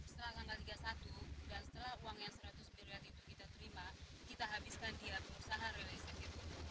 setelah tanggal tiga puluh satu dan setelah uang yang seratus miliar itu kita terima kita habiskan dia pengusaha realistik